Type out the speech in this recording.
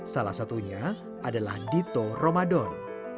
salah satunya adalah dito ramadan